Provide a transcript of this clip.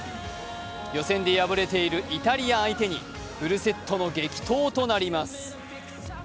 予選で敗れているイタリア相手にフルセットの激闘となります。